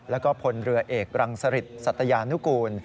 และพลเรือเอกลังศฤษสัตยานุกูล